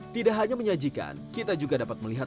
tidak hanya menyajikan kita juga dapat melihat